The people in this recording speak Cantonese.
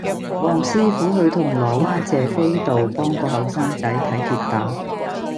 黃師傅去銅鑼灣謝斐道幫個後生仔睇跌打